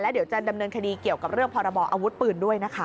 เดี๋ยวจะดำเนินคดีเกี่ยวกับเรื่องพรบออาวุธปืนด้วยนะคะ